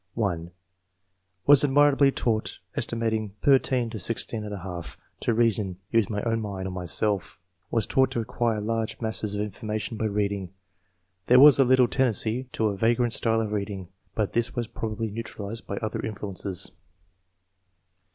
(1) "Was admirably taught, set 13 16^, to reason, use my own mind, and depend on myself. Was taught to acquire large masses of informa tion by reading. There was a little tendency to a vagrant style of reading, but this was pro bably neutralised by other influences.''